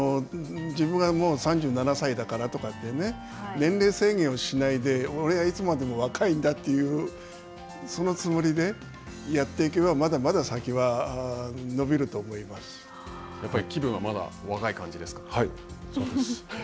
自分がもう３７歳だからとかってね、年齢制限をしないで俺いつまでも若いんだという、そのつもりでやっていけばまだまだ先はやっぱり気分はまだ若い感じではい。